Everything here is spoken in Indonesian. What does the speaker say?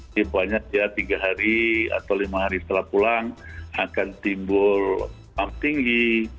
jadi pokoknya dia tiga hari atau lima hari setelah pulang akan timbul ampinggi